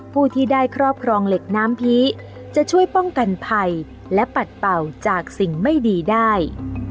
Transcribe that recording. ผู้ที่ได้ครอบครองเหล็กน้ำผีจะช่วยป้องกันภัยและปัดเป่าจากสิ่งไม่ดีได้